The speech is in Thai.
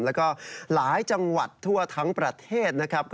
แล้วก็หลายจังหวัดทั่วทั้งประเทศนะครับ